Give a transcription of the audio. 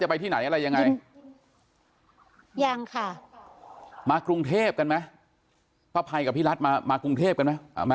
ไปที่ไหนอะไรยังไงยังค่ะมากรุงเทพกันไหมป้าภัยกับพี่รัฐมามากรุงเทพกันไหม